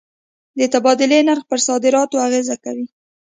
د تبادلې نرخ پر صادراتو اغېزه کوي.